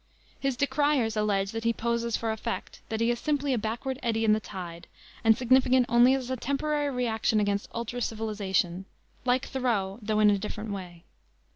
His decriers allege that he poses for effect; that he is simply a backward eddy in the tide, and significant only as a temporary reaction against ultra civilization like Thoreau, though in a different way.